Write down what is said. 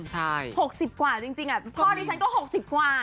ใช่๖๐กว่าจริงพ่อดิฉันก็๖๐กว่า